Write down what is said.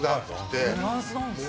宮田：フランスなんですね。